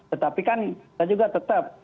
tetapi kan kita juga tetap